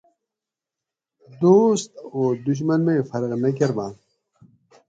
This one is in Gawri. دوست او دشمن مئی فرق نہ کۤربنت